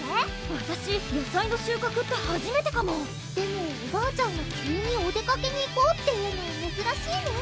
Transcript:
わたし野菜の収穫ってはじめてかもでもおばあちゃんが急にお出かけに行こうって言うのめずらしいね